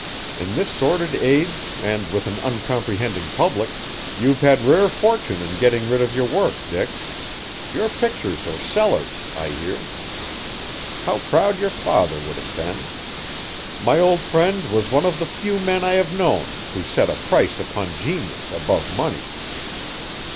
In this sordid age, and with an uncomprehending public, you've had rare fortune in getting rid of your work, Dick. Your pictures are sellers, I hear. How proud your father would have been! My old friend was one of the few men I have known who set a price upon genius above money."